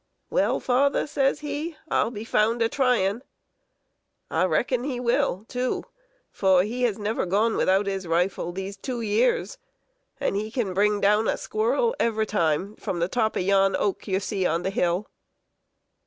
'Well, father,' says he, 'I'll be found a tryin'!' I reckon he will, too; for he has never gone without his rifle these two years, and he can bring down a squirrel every time, from the top of yon oak you see on the hill."